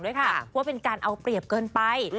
ด้วยค่ะว่าเป็นการเอาเปรียบเกินไป